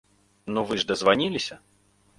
Ну вы ж дазваніліся?